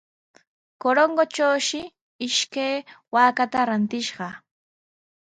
Corongotrawshi ishkay waakata rantishqa.